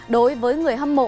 đối với người hâm mộ